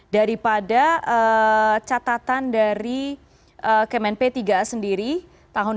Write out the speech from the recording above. daripada catatan dari kemen p tiga a sendiri tahun dua ribu dua